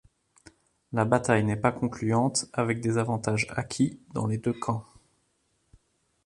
La bataille n'est pas concluante, avec des avantages acquis dans les deux camps.